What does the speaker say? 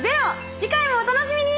次回もお楽しみに！